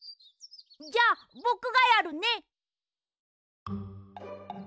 じゃあぼくがやるね！